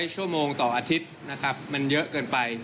ชั่วโมงต่ออาทิตย์นะครับมันเยอะเกินไป